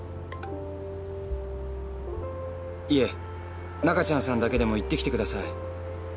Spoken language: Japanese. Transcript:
「いえナカちゃんさんだけでも行ってきてください」。